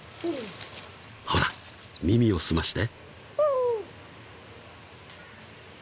［ほら耳を澄まして］